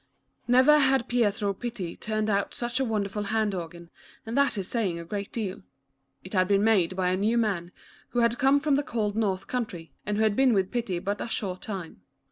NEVER had Pietro Pitti turned out such a wonderful hand organ, and that is saying a great deal. It had been made by a new man, who had come from the cold North country, and who had been with Pitti but a short time.